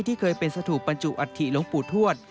ที่เคยเป็นสถุปัญจุอัตธิลงปู่ทวด